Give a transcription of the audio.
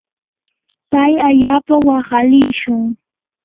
pay allaapa waqalishun.